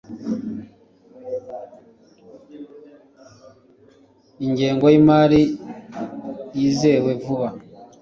ingengo yimari yizewe vuba